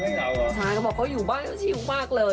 ใช่ครับบอกว่าเขาอยู่บ้านเชียวมากเลย